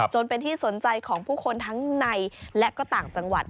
จนเป็นที่สนใจของผู้คนทั้งในและก็ต่างจังหวัด